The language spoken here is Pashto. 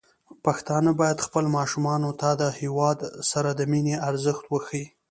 پښتانه بايد خپل ماشومان ته د هيواد سره د مينې ارزښت وښيي.